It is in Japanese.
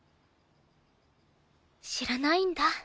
知らないんだ。